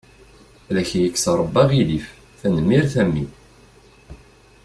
Ad ak-ikkes Rabbi aɣilif, tanemmirt a mmi.